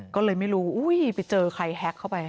ก็เลยไม่รู้อุ้ยไปเจอใครแฮ็กเข้าไป